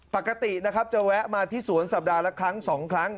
ปกตินะครับจะแวะมาที่สวนสัปดาห์ละครั้ง๒ครั้ง